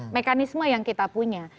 mekanisme yang kita punya